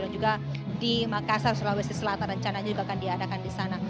dan juga di makassar sulawesi selatan rencananya juga akan diadakan di sana